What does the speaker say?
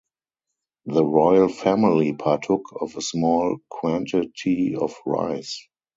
The royal family partook of a small quantity of rice.